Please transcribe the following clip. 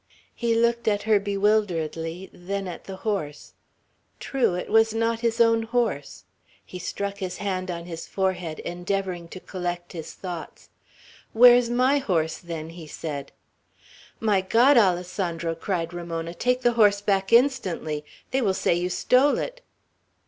He looked at her bewilderedly, then at the horse. True; it was not his own horse! He struck his hand on his forehead, endeavoring to collect his thoughts. "Where is my horse, then?" he said. "My God! Alessandro," cried Ramona. "Take the horse back instantly. They will say you stole it."